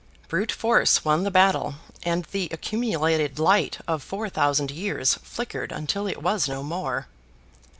Brute force won the battle and the accumulated light of four thousand years flickered until it was no more.